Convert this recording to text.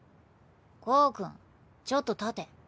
コウ君ちょっと立て。